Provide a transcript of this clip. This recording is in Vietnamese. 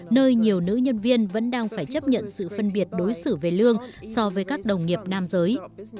nơi nhiều nữ nhân viên vẫn đang phải chấp nhận sự phân biệt đối xử về lương so với các đồng nghiệp nam giới